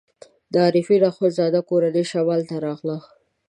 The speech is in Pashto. د عارفین اخندزاده کورنۍ شمال ته راغله.